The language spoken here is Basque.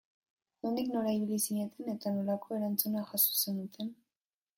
Nondik nora ibili zineten eta nolako erantzuna jaso zenuten?